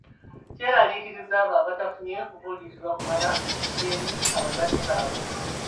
Kyeraliikiriza abo abatafunye kubuulirirwa kumala okuva eri abazadde baabwe.